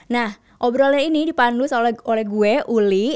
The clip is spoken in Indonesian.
nah obrolannya ini dipandu oleh gue uli